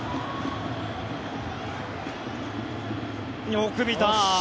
よく見た。